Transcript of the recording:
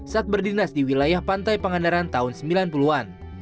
saat berdinas di wilayah pantai pangandaran tahun sembilan puluh an